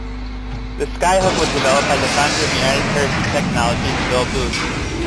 The Skyhook was developed by the founder of United Parachute Technologies, Bill Booth.